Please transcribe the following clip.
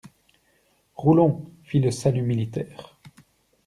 Roulon fit le salut militaire.